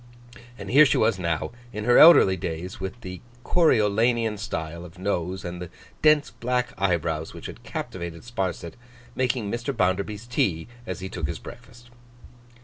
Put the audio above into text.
And here she was now, in her elderly days, with the Coriolanian style of nose and the dense black eyebrows which had captivated Sparsit, making Mr. Bounderby's tea as he took his breakfast.